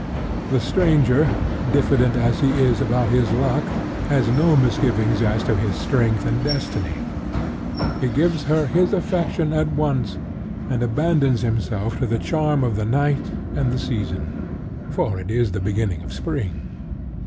The stranger, diffident as he is about his luck, has no misgivings as to his strength and destiny. He gives her his affection at once, and abandons himself to the charm of the night and the season; for it is the beginning of Spring.